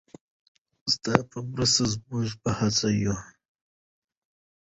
ستاسو په مرسته او زموږ په هڅه.